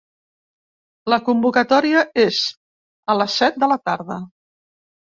La convocatòria és a les set de la tarda.